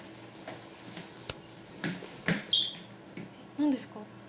何ですか？